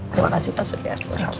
terima kasih pak surya